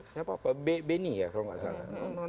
siapa benny ya kalau nggak salah